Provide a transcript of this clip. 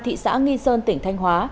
thị xã nghi sơn tỉnh thanh hóa